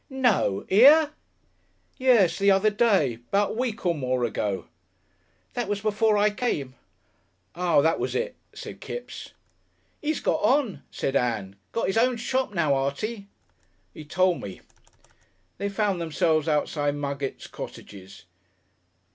"No! Here?" "Yes. The other day. 'Bout a week or more ago." "That was before I came." "Ah! that was it," said Kipps. "'E's got on," said Ann. "Got 'is own shop now, Artie." "'E tole me." They found themselves outside Muggett's cottages.